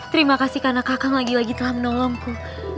terima kasih karena kakang lagi lagi telah menolongku